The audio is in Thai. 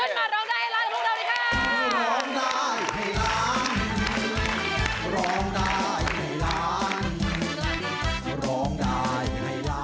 ขึ้นมาร้องได้ให้ร้านทุกเราเลยค่ะ